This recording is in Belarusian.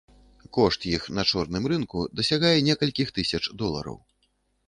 Кошт іх на чорным рынку дасягае некалькіх тысяч долараў.